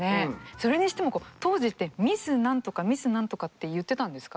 それにしても当時ってミス何とかミス何とかって言ってたんですか？